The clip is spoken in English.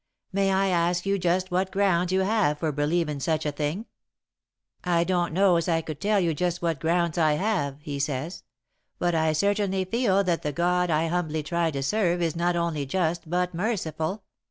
'May I ask you just what grounds you have for believin' such a thing?' "'I don't know as I could tell you just what grounds I have,' he says, 'but I certainly feel that the God I humbly try to serve is not only just but merciful.